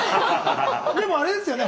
でもあれですよね。